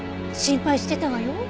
心配してたわよ。